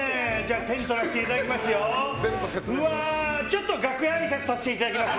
手に取らせていただきましてちょっと楽屋あいさつさせていただきます。